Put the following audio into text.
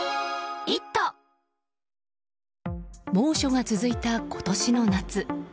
猛暑が続いた今年の夏。